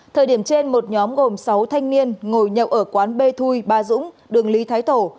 thời điểm trên một nhóm gồm sáu thanh niên ngồi nhậu ở quán b thui ba dũng đường lý thái tổ